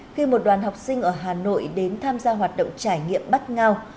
khi một đoàn học sinh ở hà nội đến tham gia hoạt động trải nghiệm bắt ngao